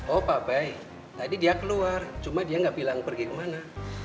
oh pak baik tadi dia keluar cuma dia nggak bilang pergi kemana